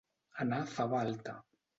Anar fava alta.